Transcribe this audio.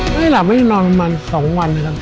ไม่ละไม่นอนมา๒วันเลยละ